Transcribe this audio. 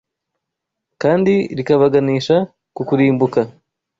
kandi rikabaganisha ku kurimbuka.